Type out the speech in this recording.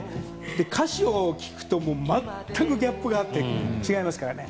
歌詞を聞くと、全くギャップがあって違いますからね。